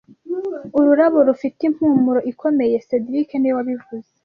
Ururabo rufite impumuro ikomeye cedric niwe wabivuze